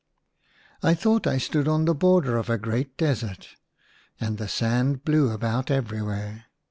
I thought I stood on the border of a great desert, and the sand blew about everywhere.